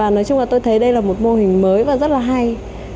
nói chung là tôi thấy đây là một mô hình mới và rất là hay